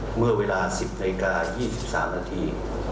อ่าเมื่อเวลา๑๐นาที๒๓นาที